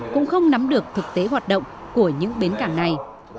cũng không nắm được thực tế hoạt động của những bến cảng này